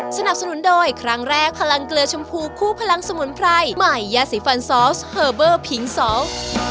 สนับสนุนโดยครั้งแรกพลังเกลือชมพูคู่พลังสมุนไพรใหม่ยาสีฟันซอสเฮอร์เบอร์ผิงสอง